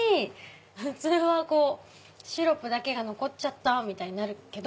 普通はシロップだけが残った！みたいになるけど。